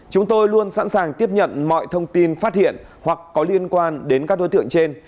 chúng tôi luôn sẵn sàng tiếp nhận mọi thông tin phát hiện hoặc có liên quan đến các đối tượng trên